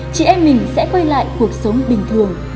chị em mình sẽ quay lại cuộc sống bình thường